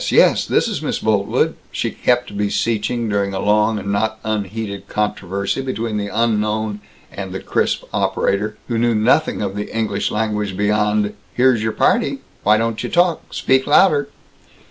Yes! This is Miss Boltwood!" she kept beseeching, during a long and not unheated controversy between the unknown and the crisp operator, who knew nothing of the English language beyond, "Here's your party. Why don't you talk? Speak louder!"